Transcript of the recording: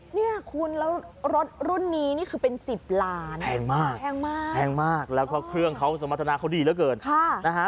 เนี่ยคุณแล้วรถรุ่นนี้นี่คือเป็นสิบล้านแพงมากแพงมากแพงมากแล้วก็เครื่องเขาสมรรถนาเขาดีเหลือเกินค่ะนะฮะ